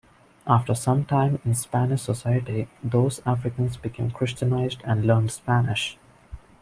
After some time in Spanish society, those Africans became Christianized and learnt Spanish.